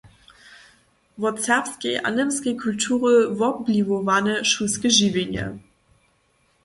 - wot serbskej a němskej kultury wobwliwowane šulske žiwjenje